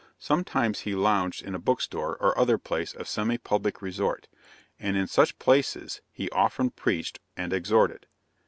Sometimes he lounged in a bookstore or other place of semi public resort; and in such places he often preached or exhorted.